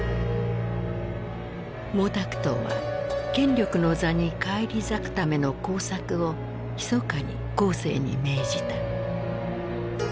毛沢東は権力の座に返り咲くための工作をひそかに江青に命じた。